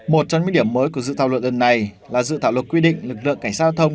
một trong những điểm mới của dự thảo luận đơn này là dự thảo luận quy định lực lượng cảnh sát thông